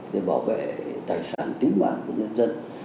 để bảo vệ tài sản tính mạng của nhân dân